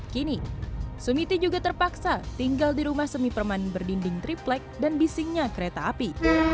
kini sumiti juga terpaksa tinggal di rumah semi perman berdinding triplek dan bisingnya kereta api